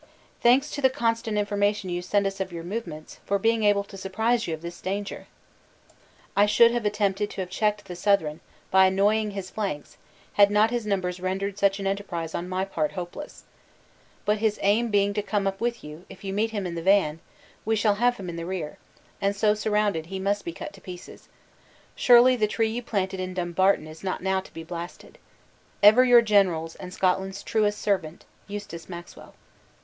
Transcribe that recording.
"Thanks to the constant information you send us of your movements, for being able to surprise you of this danger! I should have attempted to have checked the Southron, by annoying his flanks, had not his numbers rendered such an enterprise on my part hopeless. But his aim being to come up with you, if you meet him in the van, we shall have him in the rear; and, so surrounded, he must be cut to pieces. Surely the tree you planted in Dumbarton, is not now to be blasted! "Ever your general's and Scotland's true servant, "Eustace Maxwell."